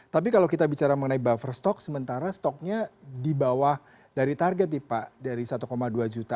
tapi kalau kita bicara mengenai buffer stok sementara stoknya di bawah dari target nih pak dari satu dua juta